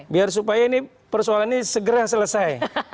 biar supaya ini persoalan ini segera selesai